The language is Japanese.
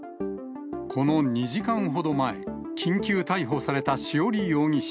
この２時間ほど前、緊急逮捕された潮理容疑者。